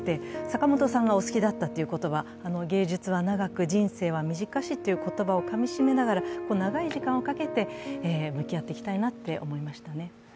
坂本さんがお好きだったという言葉、「芸術は長く、人生は短し」という言葉をかみしめながら、長い時間をかけて向き合っていきたいと思いますね。